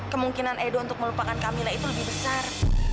kemungkinan edo untuk melupakan kamila itu lebih besar